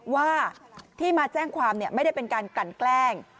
ว่าที่มาแจ้งความไม่ได้เป็นการกลั่นแกล้ง